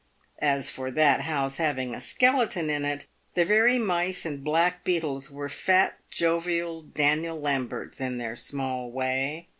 As for that house having a skeleton in it, the very mice and blackbeetles were fat jovial Daniel Lamberts in their small way.